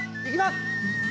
いきます！